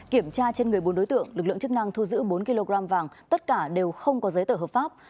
kiểm tra trên người bốn đối tượng lực lượng chức năng thu giữ bốn kg vàng tất cả đều không có giấy tờ hợp pháp